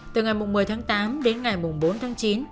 từ ngày một mươi tháng tám đến ngày bốn tháng chín